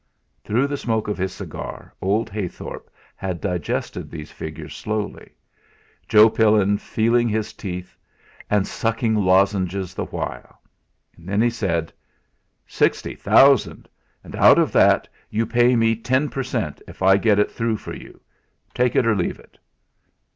Through the smoke of his cigar old Heythorp had digested those figures slowly, Joe Pillin feeling his teeth and sucking lozenges the while; then he said: "Sixty thousand! And out of that you pay me ten per cent., if I get it through for you. Take it or leave it."